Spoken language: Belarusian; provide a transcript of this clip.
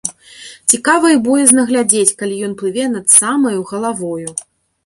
Цікава і боязна глядзець, калі ён плыве над самаю галавою.